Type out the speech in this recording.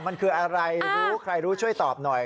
มันคืออะไรรู้ใครรู้ช่วยตอบหน่อย